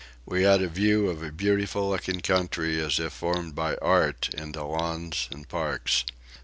We had a view of a beautiful looking country as if formed by art into lawns and parks.